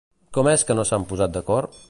Com és que no s'han posat d'acord?